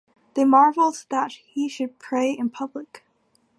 They marvelled that he should pray in public.